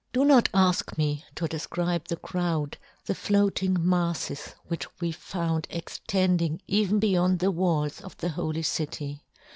" Do not afk me to defcribe the " crowd, the floating mafles which " we found extending even beyond " the walls of the holy city.